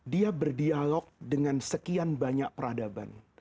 dia berdialog dengan sekian banyak peradaban